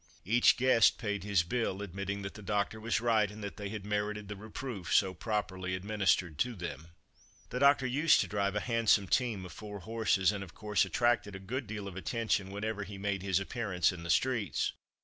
Each guest paid his bill, admitting that the doctor was right, and that they had merited the reproof so properly administered to them. The doctor used to drive a handsome team of four horses, and, of course, attracted a good deal of attention whenever he made his appearance in the streets.